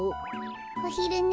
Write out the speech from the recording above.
おひるね。